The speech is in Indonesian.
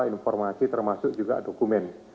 informasi termasuk juga dokumen